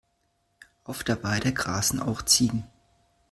Auf der Weide grasen auch Ziegen.